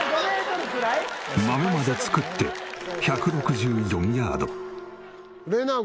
マメまで作って１６４ヤード。